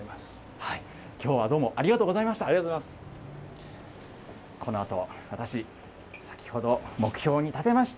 きょうはどうも、ありがとうありがとうございます。